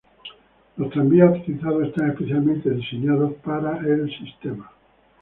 Los tranvías utilizados están especialmente diseñados para el sistema.